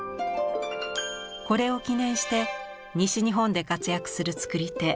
これを記念して西日本で活躍する作り手